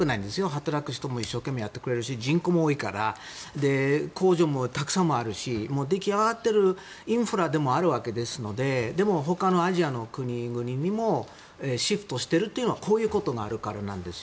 働く人も一生懸命やってくれるし人口も多くて工場もたくさんあるし出来上がっているインフラでもあるわけですのででも他のアジアの国々にシフトしているというのはこういうことがあるからなんです。